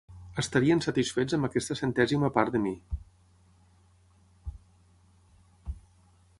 Estarien satisfets amb aquesta centèsima part de mi.